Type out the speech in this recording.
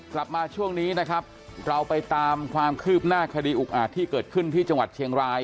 กลับมาช่วงนี้นะครับเราไปตามความคืบหน้าคดีอุกอาจที่เกิดขึ้นที่จังหวัดเชียงราย